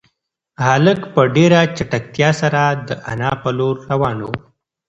هلک په ډېره چټکتیا سره د انا په لور روان و.